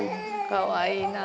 かわいいな。